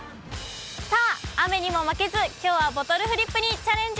さあ、雨にも負けず、きょうはボトルフリップにチャレンジ。